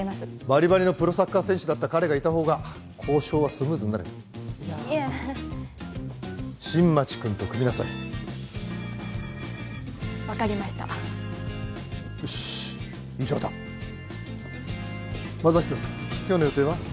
バリバリのプロサッカー選手だった彼がいた方が交渉はスムーズになるいやああのいや新町くんと組みなさい分かりましたよしっ以上だ真崎くん今日の予定は？